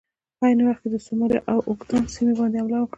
په عین وخت کې سومالیا د اوګادن سیمې باندې حمله وکړه.